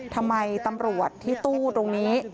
ทำไมตำรวจที่ตู้ตรงนี้